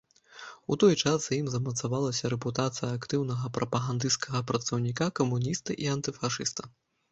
У той час за ім замацавалася рэпутацыя актыўнага прапагандысцкага працаўніка, камуніста і антыфашыста.